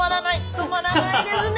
止まらないですね！